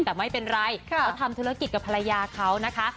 แต่ไม่เป็นไรเขาทำธุรกิจกับภรรยาเขานะคะ